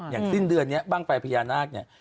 อย่างสิ้นเดือนเนี่ยบ้างปลายพญานาศน์เนี่ย